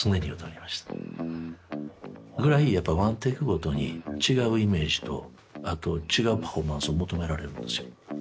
ぐらいやっぱワンテイクごとに違うイメージとあと違うパフォーマンスを求められるんですよ。